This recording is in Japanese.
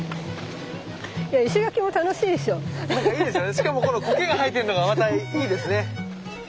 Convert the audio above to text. しかもこの苔が生えてるのがまたいいですね。